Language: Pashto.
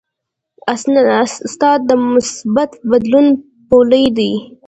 استاد د مثبت بدلون پلوی دی.